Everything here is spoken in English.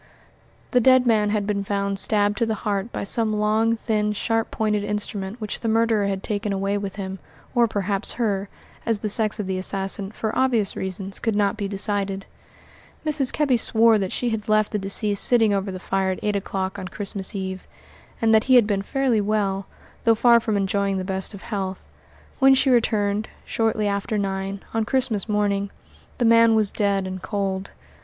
The dead man had been found stabbed to the heart by some long, thin, sharp pointed instrument which the murderer had taken away with him or perhaps her, as the sex of the assassin, for obvious reasons, could not be decided. Mrs. Kebby swore that she had left the deceased sitting over the fire at eight o'clock on Christmas Eve, and that he had then been fairly well, though far from enjoying the best of health. When she returned, shortly after nine, on Christmas morning, the man was dead and cold.